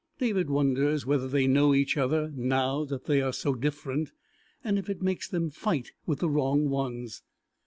David wonders whether they know each other, now that they are so different, and if it makes them fight with the wrong ones.